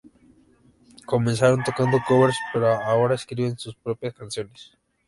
Comenzaron tocando "covers", pero ahora escriben sus propias canciones.